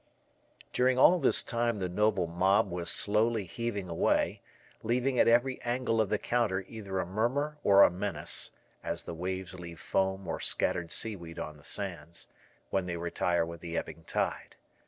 During all this time the noble mob was slowly heaving away, leaving at every angle of the counter either a murmur or a menace, as the waves leave foam or scattered seaweed on the sands, when they retire with the ebbing tide.